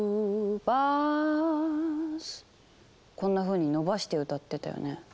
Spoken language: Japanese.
こんなふうに伸ばして歌ってたよね。